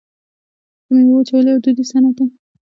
د میوو وچول یو دودیز صنعت دی.